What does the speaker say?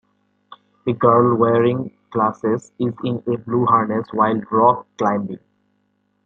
A girl wearing glasses is in a blue harness while rock climbing.